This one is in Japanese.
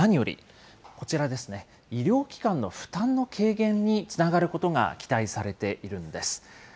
そして、何よりこちらですね、医療機関の負担の軽減につながることが期待されているんです。